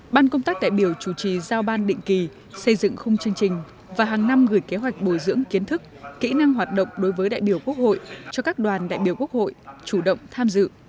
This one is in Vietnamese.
ban công tác đại biểu chủ trì giao ban định kỳ xây dựng khung chương trình và hàng năm gửi kế hoạch bồi dưỡng kiến thức kỹ năng hoạt động đối với đại biểu quốc hội cho các đoàn đại biểu quốc hội chủ động tham dự